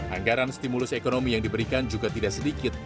anggaran stimulus ekonomi yang diberikan juga tidak sedikit